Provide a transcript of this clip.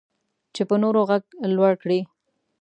چې په نورو غږ لوړ کړي.